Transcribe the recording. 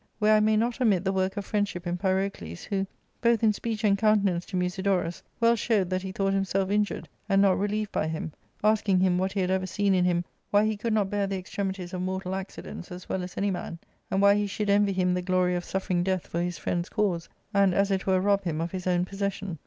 Where I may not omit the work of friendship in Pyrocles, who, both in speech and countenance to Musidorus, well showed that he thought himself injured, and not relieved by him, asking him what he had ever seen in him why he could not bear the extremities of mortal accidents as well as any man ; and why he should envy him the glory of suffer ing death for his friend's cause, and, as it were, rob him of his own possession.